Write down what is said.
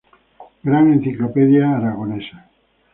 Gran Enciclopedia Aragonesa.